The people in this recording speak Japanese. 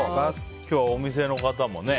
今日はお店の方もね。